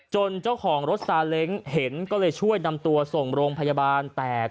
เจ้าของรถซาเล้งเห็นก็เลยช่วยนำตัวส่งโรงพยาบาลแตก